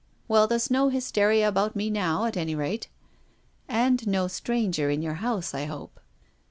Well, there's no hysteria about me now, at any rate." "And no stranger in your house, I hope."